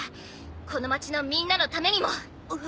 この町のみんなのためにも。